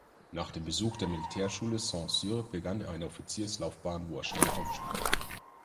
Nach dem Besuch der Militärschule Saint-Cyr begann er eine Offizierslaufbahn, wo er schnell aufstieg.